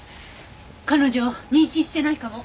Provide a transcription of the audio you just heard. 彼女妊娠してないかも。